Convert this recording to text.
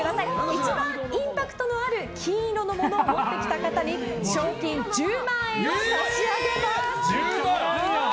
一番インパクトのある金色のものを持ってきた方に賞金１０万円を差し上げます。